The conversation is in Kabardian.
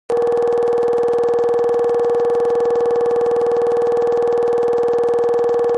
Инал пкӀэлъей къридзынщ ди гъуэгум, хъыбар дригъэдаӀуэурэ.